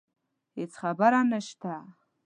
هیڅ خبره نشته